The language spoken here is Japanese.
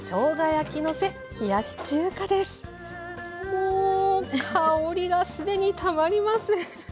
もう香りが既にたまりません。